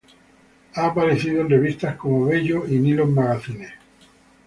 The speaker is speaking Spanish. Ha aparecido en revistas como Bello y Nylon Magazine.